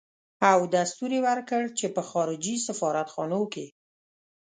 او دستور يې ورکړ چې په خارجي سفارت خانو کې.